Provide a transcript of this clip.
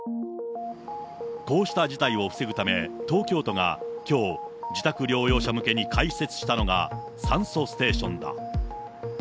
こうした事態を防ぐため、東京都がきょう、自宅療養者向けに開設したのが、酸素ステーションだ。